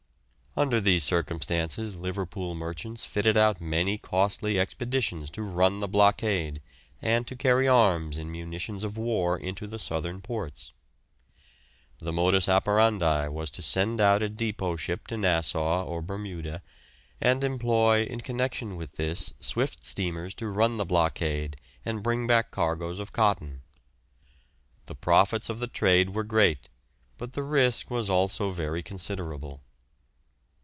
Under these circumstances Liverpool merchants fitted out many costly expeditions to run the blockade and to carry arms and munitions of war into the southern ports. The modus operandi was to send out a depot ship to Nassau or Bermuda and employ in connection with this swift steamers to run the blockade and bring back cargoes of cotton. The profits of the trade were great, but the risk was also very considerable.